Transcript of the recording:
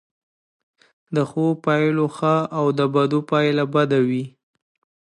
د ښو پایله ښه او د بدو پایله بده وي.